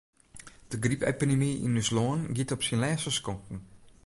De grypepidemy yn ús lân giet op syn lêste skonken.